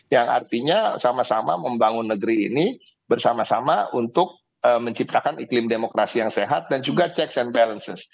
yang artinya sama sama membangun negeri ini bersama sama untuk menciptakan iklim demokrasi yang sehat dan juga checks and balances